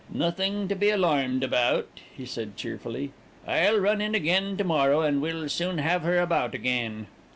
"Nothing to be alarmed about," he said cheerfully. "I'll run in again to morrow, and we'll soon have her about again."